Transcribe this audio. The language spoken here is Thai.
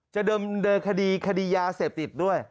เดิมคดีคดียาเสพติดด้วย